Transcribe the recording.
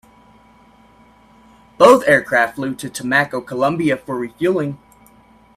Both aircraft flew to Tumaco, Colombia for refueling.